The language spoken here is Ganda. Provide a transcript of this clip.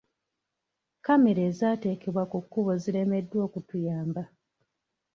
Kkamera ezaateekebwa ku kkubo ziremeddwa okutuyamba.